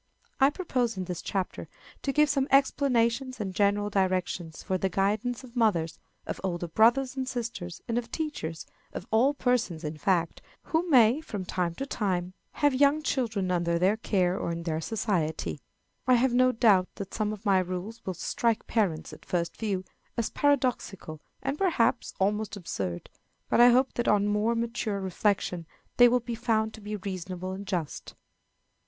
I propose, in this chapter, to give some explanations and general directions for the guidance of mothers, of older brothers and sisters, and of teachers of all persons, in fact, who may, from time to time, have young children under their care or in their society. I have no doubt that some of my rules will strike parents, at first view, as paradoxical and, perhaps, almost absurd; but I hope that on more mature reflection they will be found to be reasonable and just.